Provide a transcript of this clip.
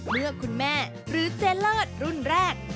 เมื่อคุณแม่หรือเจ๊เลิศรุ่นแรก